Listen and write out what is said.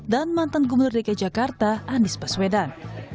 dan mantan gubernur dki jakarta anies baswedan